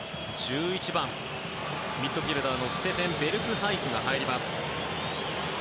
１１番、ミッドフィールダーのステフェン・ベルフハイスが入ります。